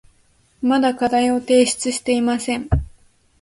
まだ課題を提出していません。